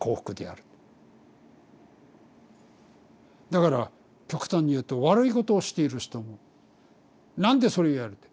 だから極端に言うと悪いことをしている人も何でそれをやるんだ？